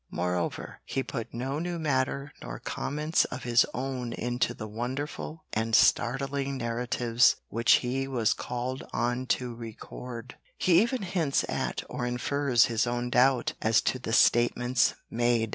Moreover he put no new matter nor comments of his own into the wonderful and startling narratives which he was called on to record. He even hints at or infers his own doubt as to the statements made.